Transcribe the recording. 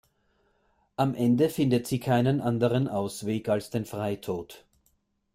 Am Ende findet sie keinen anderen Ausweg als den Freitod.